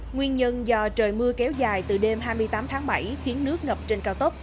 nguyên nhân do trời mưa kéo dài từ đêm hai mươi tám tháng bảy khiến nước ngập trên cao tốc